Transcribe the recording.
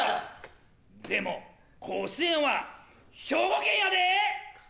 でも甲子園は兵庫県やで！